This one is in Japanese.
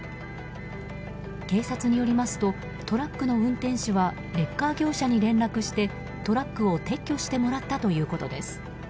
警察によりますとトラックの運転手はレッカー業者に連絡してトラックを撤去してもらったということです。